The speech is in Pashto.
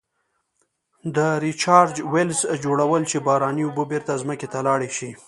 د Recharge wells جوړول چې باراني اوبه بیرته ځمکې ته لاړې شي.